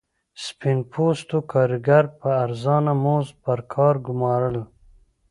سپین پوستو کارګر په ارزانه مزد پر کار ګومارل.